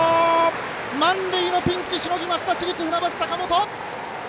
満塁のピンチしのぎました市立船橋の坂本！